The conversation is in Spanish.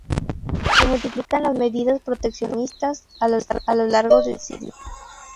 Se multiplican las medidas proteccionistas a lo largo del siglo.